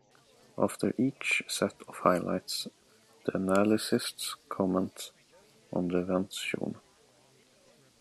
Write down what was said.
After each set of highlights, the analysts comment on the events shown.